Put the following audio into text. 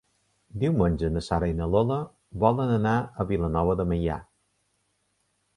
Diumenge na Sara i na Lola volen anar a Vilanova de Meià.